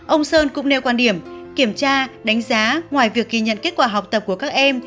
ông sơn cũng nêu quan điểm kiểm tra đánh giá ngoài việc ghi nhận kết quả học tập của các em